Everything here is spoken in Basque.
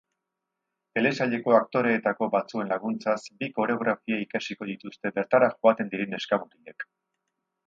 Telesaileko aktoreetako batzuen laguntzaz, bi koreografia ikasiko dituzte bertara joaten diren neska-mutilek.